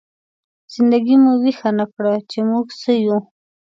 زنده ګي مو ويښه نه کړه، چې موږ څه يو؟!